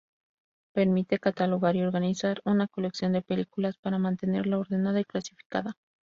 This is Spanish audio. Permite catalogar y organizar una colección de películas para mantenerla ordenada y clasificada.